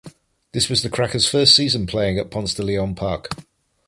This was the Crackers first season playing at Ponce de Leon Park.